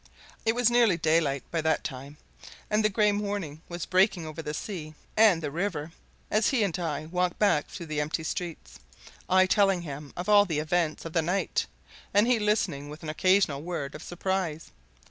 It was nearly daylight by that time, and the grey morning was breaking over the sea and the river as he and I walked back through the empty streets I telling him of all the events of the night, and he listening with an occasional word of surprise.